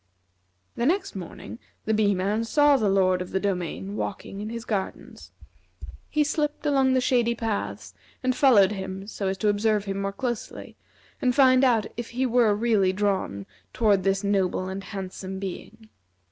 The next morning, the Bee man saw the Lord of the Domain walking in his gardens. He slipped along the shady paths, and followed him so as to observe him closely, and find out if he were really drawn toward this noble and handsome being.